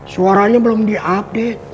suaranya belum di update